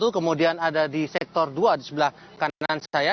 kemudian ada di sektor dua di sebelah kanan saya